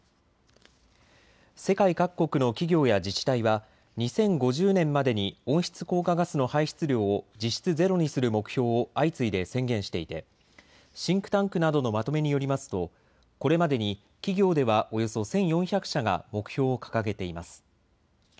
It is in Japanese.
世界各国の企業や自治体は２０５０年までに温室効果ガスの排出量を実質ゼロにする目標を相次いで宣言していてシンクタンクなどのまとめによりますとこれまでに企業ではおよそ１４００社が目標を掲げています。